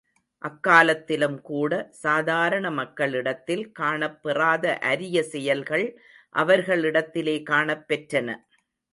அக்காலத்திலும் கூட, சாதாரண மக்களிடத்தில் காணப் பெறாத அரிய செயல்கள், அவர்களிடத்திலே காணப் பெற்றன.